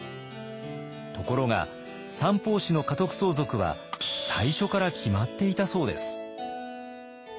ところが三法師の家督相続は最初から決まっていたそうです。